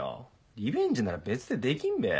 リベンジなら別でできんべ。